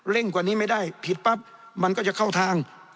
กว่านี้ไม่ได้ผิดปั๊บมันก็จะเข้าทาง